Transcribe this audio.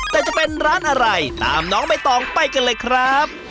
แต่จะเป็นร้านอะไรตามน้องใบตองไปกันเลยครับ